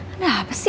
ada apa sih